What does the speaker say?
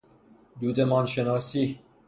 دودمان شناسی